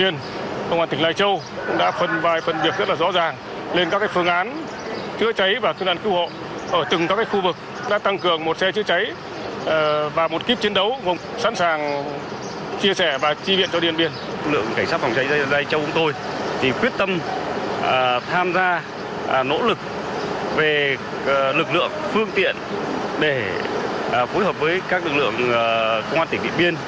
nỗ lực về lực lượng phương tiện để phối hợp với các lực lượng công an tỉnh điện biên